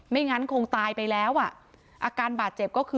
งั้นคงตายไปแล้วอ่ะอาการบาดเจ็บก็คือ